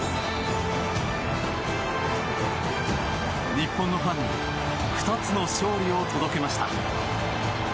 日本のファンに２つの勝利を届けました。